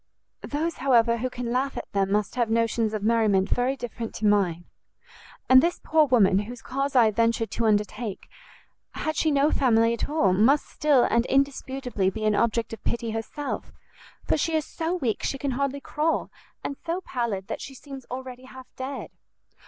"Those, however, who can laugh at them must have notions of merriment very different to mine. And this poor woman, whose cause I have ventured to undertake, had she no family at all, must still and indisputably be an object of pity herself, for she is so weak she can hardly crawl, and so pallid that she seems already half dead."